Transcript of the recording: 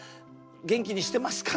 元気にしてますか。